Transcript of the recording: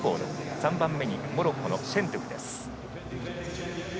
３番目にモロッコのシェントゥフ。